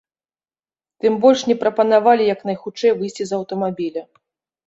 Тым больш, не прапанавалі як найхутчэй выйсці з аўтамабіля.